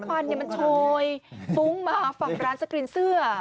วงโอนี่มาของร้านสกรีนเสื้อ